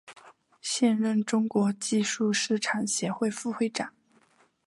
现任中国技术市场协会副会长。